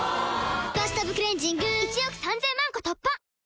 「バスタブクレンジング」１億３０００万個突破！